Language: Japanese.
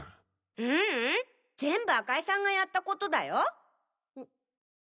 ううん全部赤井さんがやったことだよ。